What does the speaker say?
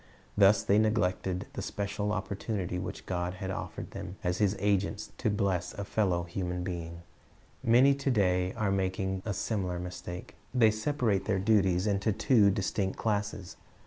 Thus they neglected the special opportunity which God had offered them as His agents to bless a fellow being. Many to day are making a similar mistake. They separate their duties into two distinct classes.